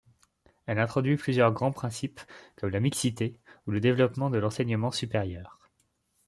Elle introduit plusieurs grands principes comme la mixité, ou le développement de l'enseignement supérieur.